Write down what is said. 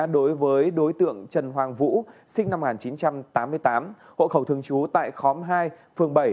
đối với đối tượng trần hoàng vũ sinh năm một nghìn chín trăm tám mươi tám hộ khẩu thường trú tại khóm hai phường bảy